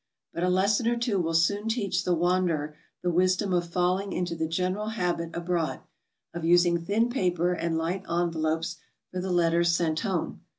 But a lesson or two will soon teach the wanderer the wisdom of falling into the general habit abroad, of using thin paper and light envelopes for the letters sent home.